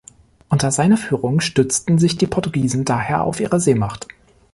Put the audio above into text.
Unter seiner Führung stützten sich die Portugiesen daher auf ihre Seemacht.